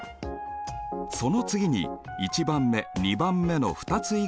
その次に１番目２番目の２つ以外の２通り。